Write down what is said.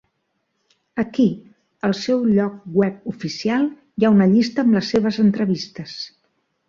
Aquí, al seu lloc web oficial, hi ha una llista amb les seves entrevistes.